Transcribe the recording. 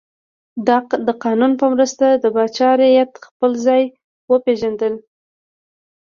د قانون په مرسته د پاچا رعیت خپل ځای وپیژند.